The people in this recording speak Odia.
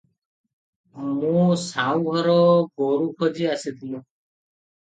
ମୁଁ ସାଉଘର ଗୋରୁ ଖୋଜି ଆସିଥିଲି ।